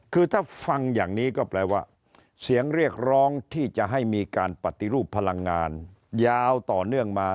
คือถ้าฟังอย่างนี้ก็แปลว่าเสียงเรียกร้องที่จะให้มีการปฏิรูปพลังงานยาวต่อเนื่องมา